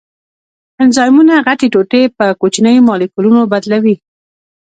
انزایمونه غټې ټوټې په کوچنیو مالیکولونو بدلوي.